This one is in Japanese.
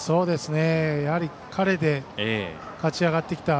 やはり彼で勝ち上がってきた。